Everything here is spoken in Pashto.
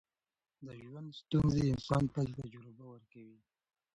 د ژوند ستونزې انسان ته تجربه ورکوي.